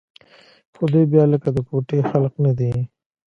خو دوى بيا لکه د کوټې خلق نه دي.